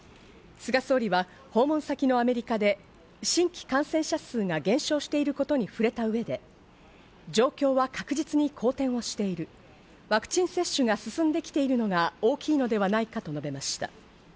菅総理は訪問先のアメリカで新規感染者数が減少していることに触れた上で状況は確実に好転をしている、ワクチン接種が進んできているのが大きいのではないかと述べました。